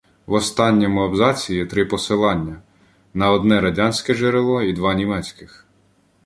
В останньому абзаці є три посилання: на одне радянське джерело і два німецьких.